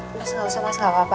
mas gak usah mas gak apa apa